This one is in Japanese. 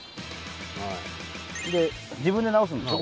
はいで自分で直すんでしょ？